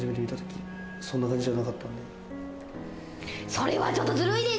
それはちょっとずるいです。